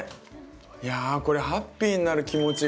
いやこれハッピーになる気持ちが。